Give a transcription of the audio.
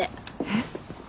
えっ？